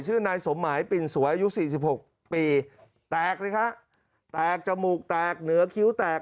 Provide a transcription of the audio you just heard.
ชื่อนายสมหมายปิ่นสวยยุค๔๖ปีแตกเลยค่ะแตกจมูกแตกเหนือคิ้วแตก